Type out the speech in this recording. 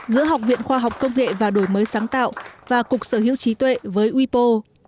giữa học viện khoa học công nghệ và đổi mới sáng tạo và cục sở hữu trí tuệ với wipo